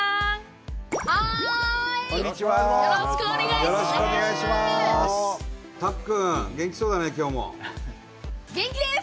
よろしくお願いします！